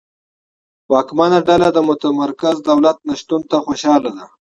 واکمنه ډله د متمرکز دولت نشتون ته خوشاله ده.